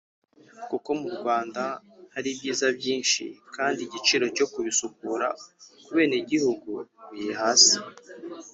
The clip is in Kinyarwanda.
kuko mu Rwanda hari ibyiza byinshi kandi igiciro cyo kubisura ku benegihugu biri hasi